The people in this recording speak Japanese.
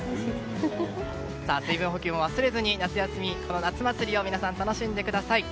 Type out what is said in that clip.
水分補給も忘れずにこの夏祭りを皆さん、楽しんでください。